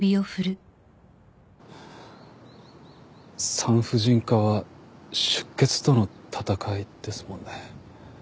産婦人科は出血との闘いですもんね。